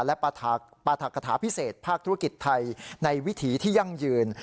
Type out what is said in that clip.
และปรัฐกฐาพิเศษภาคธุรกิจไทยในวิถีที่ยั่งยืน